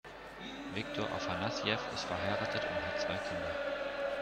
Wiktor Afanassjew ist verheiratet und hat zwei Kinder.